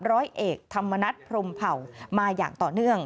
ร้อยเอกธรรมนัฐพรมเผ่ามาอย่างต่อเนื่อง